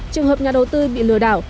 trường hợp nhà đầu tư bị lừa đạo